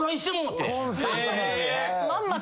まんまと？